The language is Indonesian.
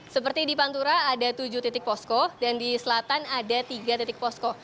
seperti di pantura ada tujuh titik posko dan di selatan ada tiga titik posko